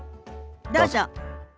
どうぞ。